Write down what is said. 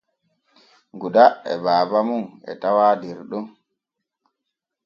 Guda e baaba mum e tawaa der ɗon.